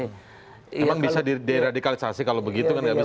emang bisa di radikalisasi kalau begitu kan